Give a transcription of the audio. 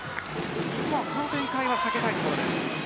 日本はこの展開は避けたいところ。